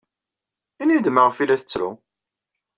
Ini-iyi-d maɣef ay la tettru.